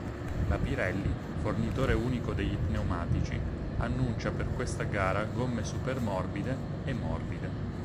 La Pirelli, fornitore unico degli pneumatici, annuncia per questa gara gomme "super-morbide" e "morbide".